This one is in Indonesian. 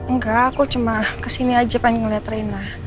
nggak aku cuma kesini aja pengen ngeliat rena